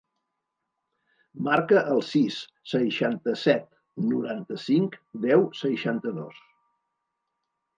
Marca el sis, seixanta-set, noranta-cinc, deu, seixanta-dos.